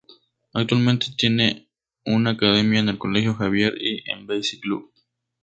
Actualmente tiene una academia en el Colegio Javier y Embassy Club.